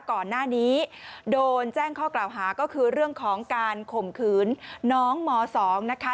ก่อนหน้านี้โดนแจ้งข้อกล่าวหาก็คือเรื่องของการข่มขืนน้องม๒นะคะ